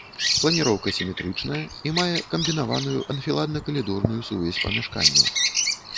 Планіроўка сіметрычная і мае камбінаваную анфіладна-калідорную сувязь памяшканняў.